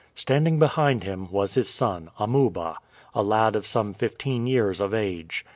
Standing behind him was his son, Amuba, a lad of some fifteen years of age.